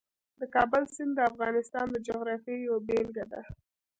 د کابل سیند د افغانستان د جغرافیې یوه بېلګه ده.